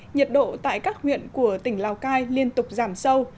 nhiệt độ tại các huyện của tỉnh lào cai liên tục giảm sâu